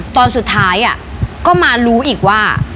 ตอนสุดท้ายก็มารู้อีกว่า